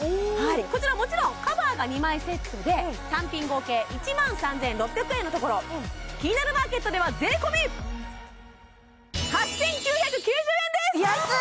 こちらもちろんカバーが２枚セットで単品合計１万３６００円のところ「キニナルマーケット」では税込安い！